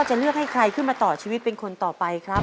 จะเลือกให้ใครขึ้นมาต่อชีวิตเป็นคนต่อไปครับ